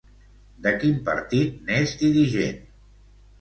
De quin partit n'és dirigent?